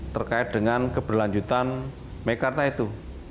terkait dengan keberlanjutan mekarta itu